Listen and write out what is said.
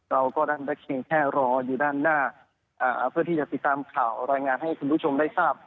เราก็ได้เพียงแค่รออยู่ด้านหน้าเพื่อที่จะติดตามข่าวรายงานให้คุณผู้ชมได้ทราบ